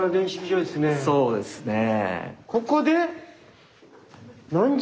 そうですねえ。